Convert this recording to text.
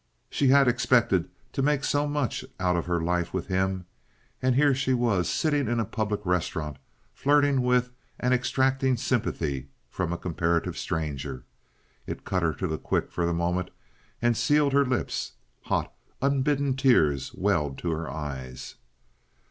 She had expected to make so much out of her life with him, and here she was sitting in a public restaurant flirting with and extracting sympathy from a comparative stranger. It cut her to the quick for the moment and sealed her lips. Hot, unbidden tears welled to her eyes.